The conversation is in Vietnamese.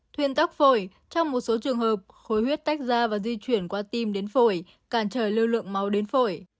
thuyền tắc phổi trong một số trường hợp khối huyết tách ra và di chuyển qua tim đến phổi càn trời lưu lượng máu đến phổi